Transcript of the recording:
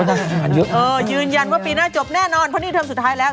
อาหารเยอะเออยืนยันว่าปีหน้าจบแน่นอนเพราะนี่เทอมสุดท้ายแล้ว